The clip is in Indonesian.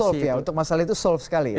itu solve ya untuk masalah itu solve sekali ya